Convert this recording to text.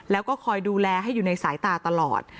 แล้วก็คอยดูแลให้อยู่ในสายตาตลอด